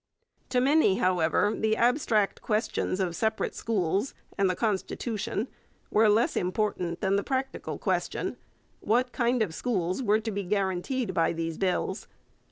To many, however, the abstract questions of separate schools and the constitution were less important than the practical question, What kind of schools were to be guaranteed by these bills?